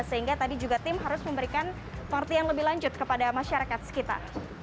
sehingga tadi juga tim harus memberikan pengertian lebih lanjut kepada masyarakat sekitar